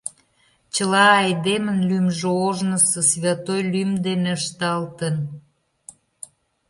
Чыла айдемын лӱмжӧ ожнысо святой лӱм дене ышталтын.